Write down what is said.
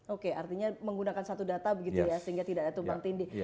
oke artinya menggunakan satu data begitu ya sehingga tidak ada tumpang tindih